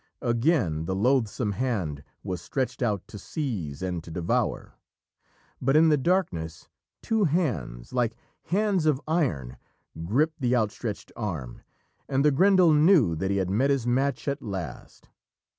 Again the loathsome hand was stretched out to seize and to devour. But in the darkness two hands, like hands of iron, gripped the outstretched arm, and the Grendel knew that he had met his match at last.